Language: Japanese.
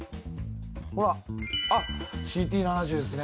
ほらあっＣＴ７０ですね。